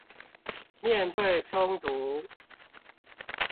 面對衝突